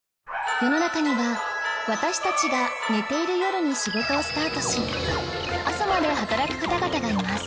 世の中には私たちが寝ている夜に仕事をスタートし朝まで働く方々がいます